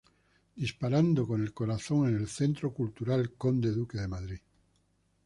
Disparando con el corazón" en el Centro Cultural Conde Duque de Madrid.